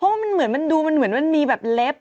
เพราะว่ามันเหมือนมันดูมันเหมือนมันมีแบบเล็บ